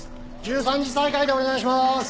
１３時再開でお願いします！